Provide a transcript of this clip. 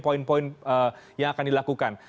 poin poin yang akan dilakukan